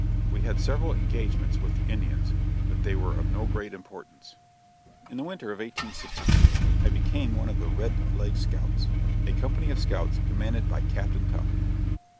We had several engagements with the Indians, but they were of no great importance. In the winter of 1862, I became one of the "Red Legged Scouts," a company of scouts commanded by Captain Tuff.